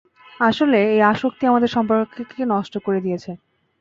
আসলে, এই আসক্তি আমাদের সম্পর্ককেও নষ্ট করে দিয়েছে।